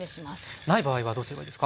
ない場合はどうすればいいですか？